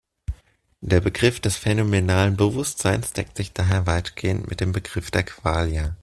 Der Begriff des phänomenalen Bewusstseins deckt sich daher weitgehend mit dem Begriff der Qualia.